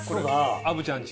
虻ちゃん家？